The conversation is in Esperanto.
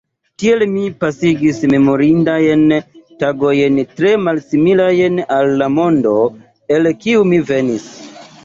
Tiel mi pasigis memorindajn tagojn tre malsimilajn al la mondo, el kiu mi venis.